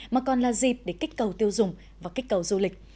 mà còn là dịp để kích cầu tiêu dùng và kích cầu du lịch